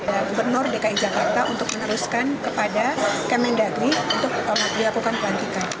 dan gubernur dki jakarta untuk meneruskan kepada kementerian dalam negeri